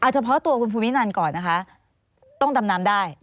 เฉพาะตัวคุณภูมินันก่อนนะคะต้องดำน้ำได้